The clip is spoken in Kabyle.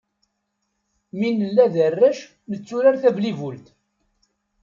Mi nella d arrac, netturar tablibult.